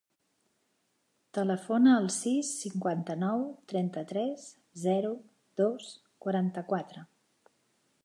Telefona al sis, cinquanta-nou, trenta-tres, zero, dos, quaranta-quatre.